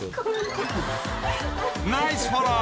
［ナイスフォロー］